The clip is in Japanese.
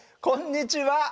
こんにちは。